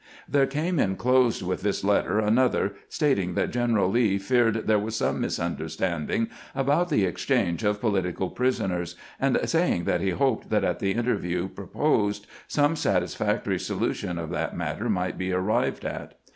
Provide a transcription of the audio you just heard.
There came inclosed with this letter another stating that General Lee feared there was some misunderstanding about the exchange of political prisoners, and saying 390 CAMPAIGNING "WITH GBANT that he hoped that at the interview proposed some sat isfactory solution of that matter might be arrived at.